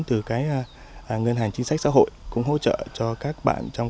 để tạo ra những nguồn vốn từ cái ngân hàng chính sách xã hội cũng hỗ trợ cho các bạn trong